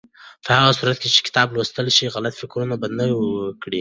په هغه صورت کې چې کتاب ولوستل شي، غلط فکرونه به وده ونه کړي.